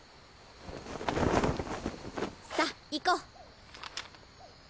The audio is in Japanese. さっ行こう。